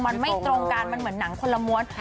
มันไม่ตรงกันมันเหมือนหนังคนละม้วน